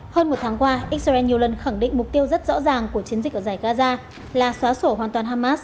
hơn một tháng qua israel nhiều lần khẳng định mục tiêu rất rõ ràng của chiến dịch ở giải gaza là xóa sổ hoàn toàn hamas